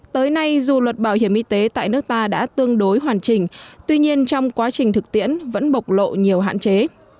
tới nay dù luật bảo hiểm y tế tại nước ta đã tương đối hoàn chỉnh tuy nhiên trong quá trình thực tiễn vẫn bộc lộ nhiều hạn chế